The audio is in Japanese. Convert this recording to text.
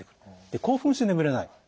で興奮して眠れない。